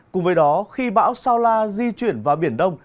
cùng với đó khi bão sao la di chuyển vào biển đông